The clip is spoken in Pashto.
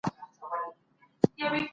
خو د هغه نیت ته یې درناوی وکړ.